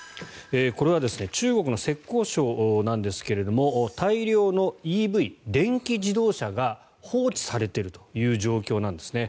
これは中国の浙江省なんですが大量のＥＶ・電気自動車が放置されているという状況なんですね。